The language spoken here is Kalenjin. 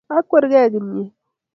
akwanke kimnyet